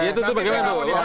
itu tuh bagaimana tuh